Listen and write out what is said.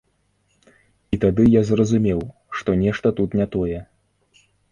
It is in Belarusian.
І тады я зразумеў, што нешта тут не тое.